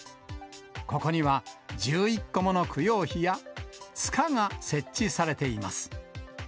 ここには１１個もの供養碑や、塚が設置されています。